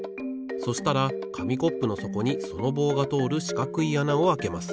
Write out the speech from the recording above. そしたらかみコップのそこにその棒がとおるしかくいあなをあけます。